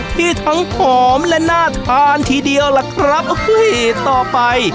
ที่ทั้งหอมและน่าทานทีเดียวล่ะครับต่อไป